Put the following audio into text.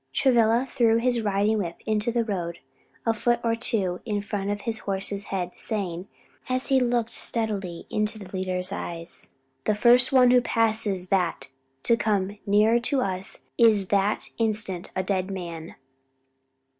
Travilla threw his riding whip into the road a foot or two in front of his horse's head, saying, as he looked steadily into the leader's eyes, "The first one who passes that to come nearer to us is that instant a dead man."